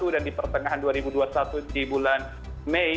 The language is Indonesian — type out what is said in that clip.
dan di pertengahan dua ribu dua puluh satu di bulan mei